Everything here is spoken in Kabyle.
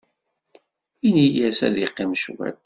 Ini-as ad yeqqim cwiṭ.